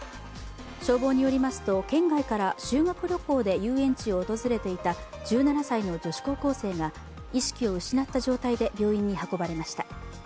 消防によりますと県外から修学旅行で遊園地を訪れていた１７歳の女子高校生が意識を失った状態で病院に運ばれました。